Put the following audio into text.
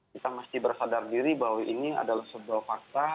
kita masih bersadar diri bahwa ini adalah sebuah fakta